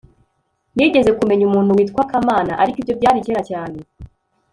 nigeze kumenya umuntu witwa kamana, ariko ibyo byari kera cyane